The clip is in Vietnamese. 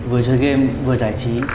vừa chơi game vừa giải trí